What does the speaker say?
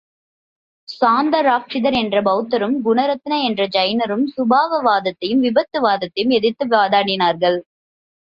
சாந்தராக்ஷிதர் என்ற பெளத்தரும், குணரத்ன என்ற ஜைனரும் சுபாவ வாதத்தையும், விபத்து வாதத்தையும் எதிர்த்து வாதாடினர்கள்.